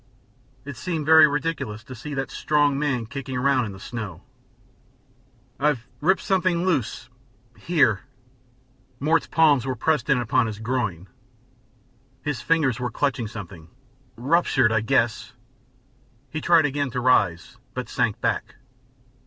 It seemed very ridiculous to see that strong man kicking around in the snow. "I've ripped something loose here." Mort's palms were pressed in upon his groin, his fingers were clutching something. "Ruptured I guess." He tried again to rise, but sank back.